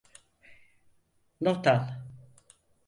Not al.